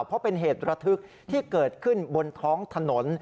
เพราะเป็นเหตุระทึกที่เกิดขึ้นบนท้องถนน